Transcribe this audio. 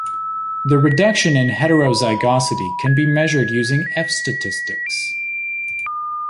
The reduction in heterozygosity can be measured using "F"-statistics.